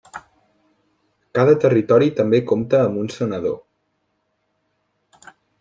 Cada territori també compta amb un senador.